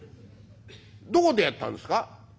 「どこでやったんですか？」。